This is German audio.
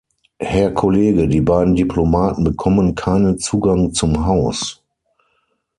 Herr Kollege, die beiden Diplomaten bekommen keinen Zugang zum Haus!